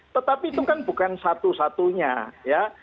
tetapi itu kan bukan satu satunya ya